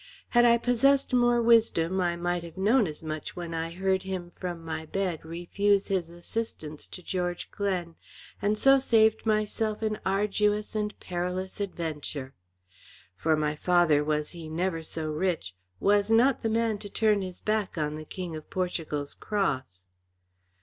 "Had I possessed more wisdom, I might have known as much when I heard him from my bed refuse his assistance to George Glen, and so saved myself an arduous and a perilous adventure. For my father, was he never so rich, was not the man to turn his back on the King of Portugal's cross."